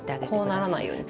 こうならないように。